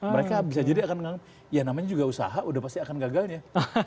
mereka bisa jadi akan ya namanya juga usaha udah pasti akan gagalnya